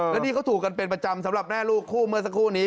แล้วนี่เขาถูกกันเป็นประจำสำหรับแม่ลูกคู่เมื่อสักครู่นี้